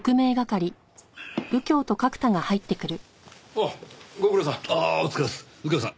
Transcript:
おうご苦労さん。